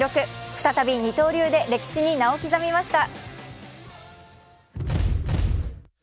再び二刀流で歴史に名を刻みました。